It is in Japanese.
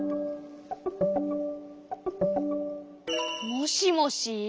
もしもし？